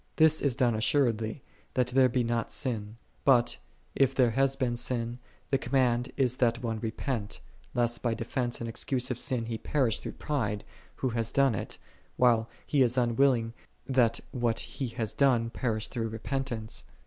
This is done assuredly, that there be not sin; but, if there hath been sin, the command is that one repent; lest by defense and excuse of sin he perish through pride, who hath done it, whilst he is unwilling that what he hath done perish through repentance.